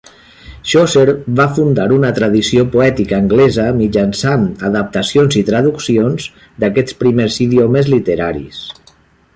Chaucer va fundar una tradició poètica anglesa mitjançant adaptacions i traduccions d'aquests primers idiomes literaris.